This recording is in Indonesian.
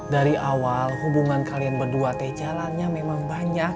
dari awal hubungan kalian berdua teh jalannya memang banyak